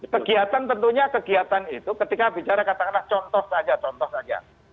kegiatan tentunya kegiatan itu ketika bicara katakanlah contoh saja contoh saja